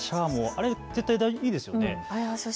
あれ、いいですよね。